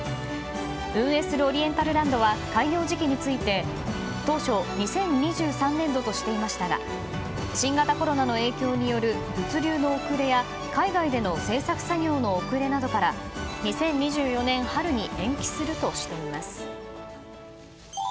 運営するオリエンタルランドは開業時期について当初２０２３年度としていましたが新型コロナの影響による物流の遅れや海外での制作作業の遅れなどから２０２４年春に延期するとしています。